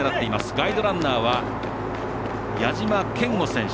ガイドランナーは、矢嶋選手。